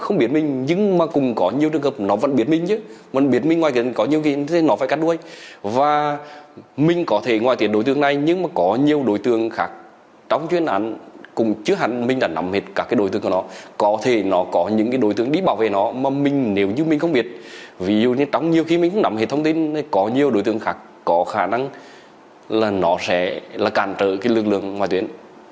nếu có nhiều đối tượng khác có khả năng là nó sẽ là cản trở lực lượng ngoại tuyến